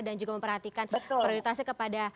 dan juga memperhatikan prioritasnya kepada